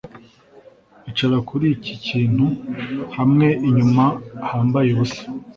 icara kuri iki kintu hamwe inyuma hambaye ubusa